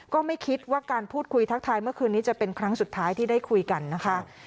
ก็ไม่คิดว่าการพูดคุยทักทายเมื่อคืนนี้จะเป็นครั้งสุดท้ายที่ได้คุยกันนะคะ